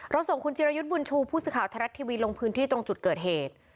ส่งคุณจิรยุทธ์บุญชูผู้สื่อข่าวไทยรัฐทีวีลงพื้นที่ตรงจุดเกิดเหตุ